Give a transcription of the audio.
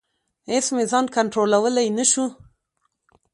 اېڅ مې ځان کنټرولولی نشو.